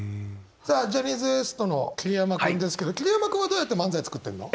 さあジャニーズＷＥＳＴの桐山君ですけど桐山君はどうやって漫才作ってるの？